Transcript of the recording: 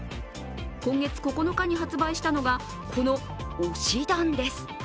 今月９日に発売したのがこの推し壇です。